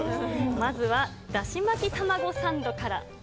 まずはだし巻き卵サンドから。